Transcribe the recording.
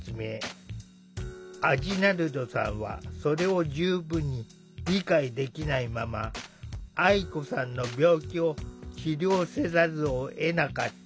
アジナルドさんはそれを十分に理解できないまま愛子さんの病気を治療せざるをえなかった。